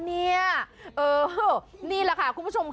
ใครออกแบบห้องน้ำวะ